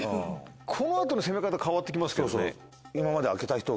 この後の攻め方変わって来ますけどね。